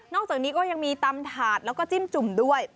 จากนี้ก็ยังมีตำถาดแล้วก็จิ้มจุ่มด้วย